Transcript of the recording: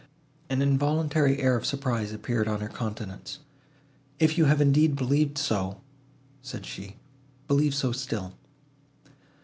An involuntary air of surprise appeared on her countenance. "If you have indeed believed so," said she, "believe so still."